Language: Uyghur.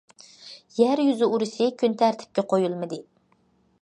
يەر يۈزى ئۇرۇشى كۈن تەرتىپكە قويۇلمىدى.